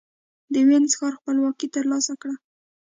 د وينز ښار خپلواکي ترلاسه کړه.